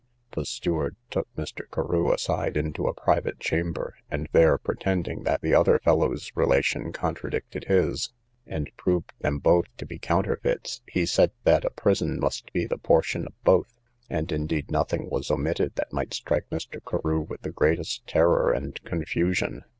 The steward took Mr. Carew aside into a private chamber, and there pretending that the other fellow's relation contradicted his, and proved them both to be counterfeits, he said that a prison must be the portion of both; and indeed nothing was omitted that might strike Mr. Carew with the greatest terror and confusion.